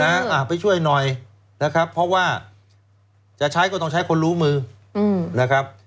อ่าไปช่วยหน่อยนะครับเพราะว่าจะใช้ก็ต้องใช้คนรู้มือนะครับ